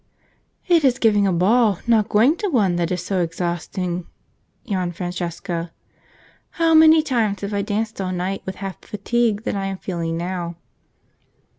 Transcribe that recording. "It is giving a ball, not going to one, that is so exhausting!" yawned Francesca. "How many times have I danced all night with half the fatigue that I am feeling now!"